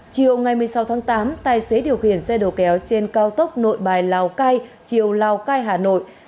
chiều ngày một mươi sáu tháng tám tài xế điều khiển xe đầu kéo trên cao tốc nội bài lào cai chiều lào cai hà nội